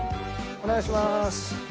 お願いします。